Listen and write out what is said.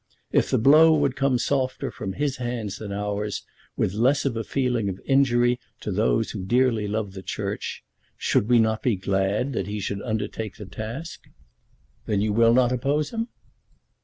If the blow would come softer from his hands than from ours, with less of a feeling of injury to those who dearly love the Church, should we not be glad that he should undertake the task?" "Then you will not oppose him?"